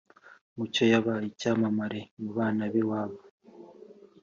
mucyo yabaye icyamamare mu bana biwabo